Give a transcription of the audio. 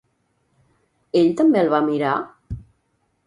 Ell també el va mirar?